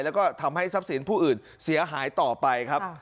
แล้วก็ทำให้ทรัพย์สินผู้อื่นเสียหายต่อไปครับ